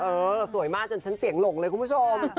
เออสวยมากจนฉันเสียงหลงเลยคุณผู้ชม